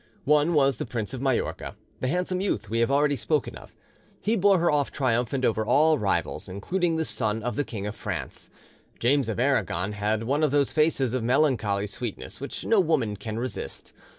One was the Prince of Majorca, the handsome youth we have already spoken of: he bore her off triumphant over all rivals, including the son of the King of France. James of Aragon had one of those faces of melancholy sweetness which no woman can resist.